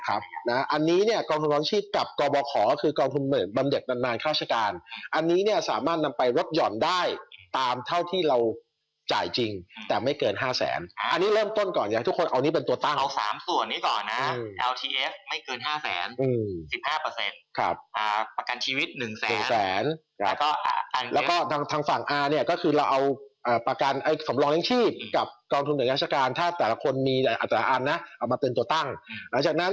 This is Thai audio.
ครับนะอันนี้เนี่ยกองทุนธุรกิจกับกรบขอคือกองทุนธุรกิจบำเด็ดดันมารคาชการอันนี้เนี่ยสามารถนำไปรับหย่อนได้ตามเท่าที่เราจ่ายจริงแต่ไม่เกินห้าแสนอันนี้เริ่มต้นก่อนเนี่ยทุกคนเอานี่เป็นตัวตั้งเอาสามส่วนนี้ก่อนนะเอาทีเอสไม่เกินห้าแสนอืมสิบห้าเปอร์เซ็ตครับอ่าประกันชีวิตหนึ่งแสนหนึ